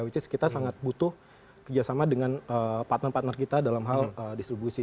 which is kita sangat butuh kerjasama dengan partner partner kita dalam hal distribusi